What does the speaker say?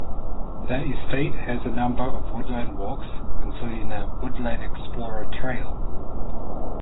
The estate has a number of woodland walks, including a 'Woodland Explorer' trail.